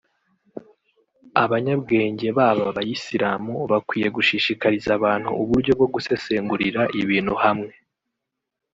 Abanyabwenge b’aba bayisilamu bakwiye gushishikariza abantu uburyo gusesengurira ibintu hamwe